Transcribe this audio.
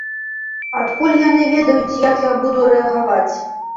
Адкуль яны ведаюць, як я буду рэагаваць?!